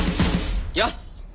よし！